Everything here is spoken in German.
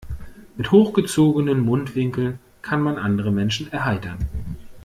Mit hochgezogenen Mundwinkeln kann man andere Menschen erheitern.